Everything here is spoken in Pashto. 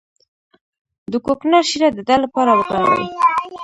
د کوکنارو شیره د درد لپاره وکاروئ